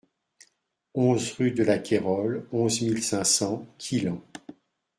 onze rue de la Cayrolle, onze mille cinq cents Quillan